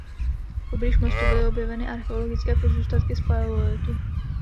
Poblíž mostu byly objeveny archeologické pozůstatky z paleolitu.